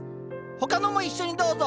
他のも一緒にどうぞ！